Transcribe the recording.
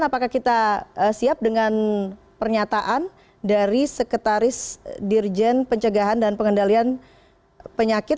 apakah kita siap dengan pernyataan dari sekretaris dirjen pencegahan dan pengendalian penyakit